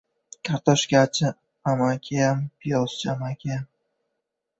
Kartoshkachi amakiyam, piyozchi amakiyam.